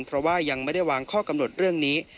เพราะว่ายังไม่ได้วางข้อกำหนดเรื่องนี้